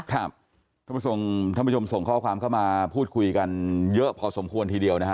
ท่านผู้ชมท่านผู้ชมส่งข้อความเข้ามาพูดคุยกันเยอะพอสมควรทีเดียวนะฮะ